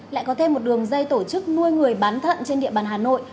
lại có thêm một đường dây tổ chức nuôi người bán thận trên địa bàn hà nội